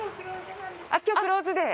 今日クローズデー。